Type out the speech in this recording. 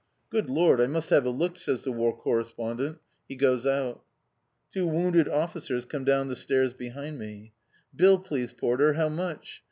"Good lor, I must have a look!" says the War Correspondent. He goes out. Two wounded officers come down the stairs behind me. "Bill, please, porter. How much?